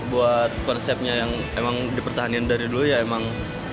buat konsepnya yang emang dipertahanin dari dulu ya emang